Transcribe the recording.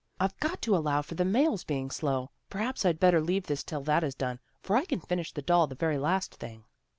" I've got to allow for the mails being slow. Perhaps I'd better leave this till that is done, for I can finish the doll the very last thing."